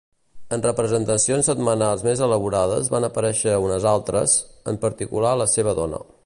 En representacions setmanals més elaborades van aparèixer unes altres, en particular la seva dona.